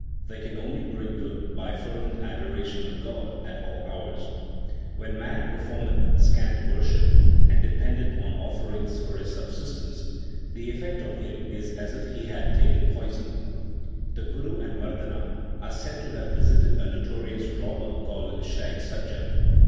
They can only bring good by fervent adoration of God at all hours. When man per formeth scant worship and dependeth on offerings for his subsistence, the effect on him is as if he had taken poison/ The Guru and Mardana are said to have visited a notorious robber called Shaikh Sajjan.